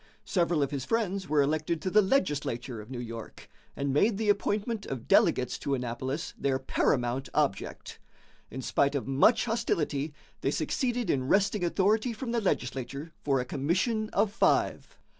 Several of his friends were elected to the legislature of New York, and made the appointment of delegates to Annapolis their paramount object. In spite of much hostility, they succeeded in wresting authority from the legislature for a commission of five.